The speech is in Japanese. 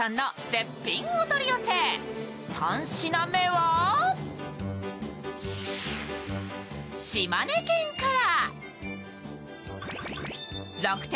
３品目は、島根県から。